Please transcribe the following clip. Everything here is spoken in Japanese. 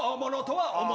はい。